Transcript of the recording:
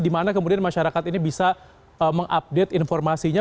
dimana kemudian masyarakat ini bisa mengupdate informasinya